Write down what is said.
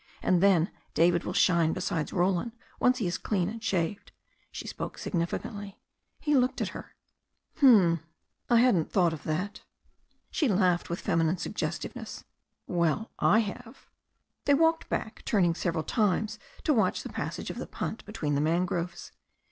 And then David will shine beside Roland, once he is clean and shaved." She spoke significantly. He looked at her. THE STORY OF A NEW ZEALAND RIVER 13 "Hm I I hadn't thought of that." She laughed with feminine suggestiveness. "Well, I have." They walked back, turning several times to watch the passage of the punt between the mangroves.